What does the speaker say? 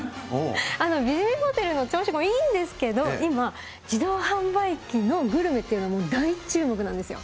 ビジネスホテルの朝食もいいんですけれども、今、自動販売機のグルメっていうのは大注目なんですよ。